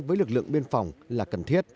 với lực lượng biên phòng là cần thiết